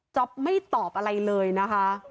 ไม่ตอบอะไรเลยนะคะ